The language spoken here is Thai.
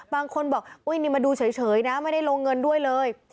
บางคนบอกอุ้ยนี่มาดูเฉยนะไม่ได้ลงเงินด้วยเลย